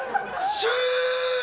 シュール！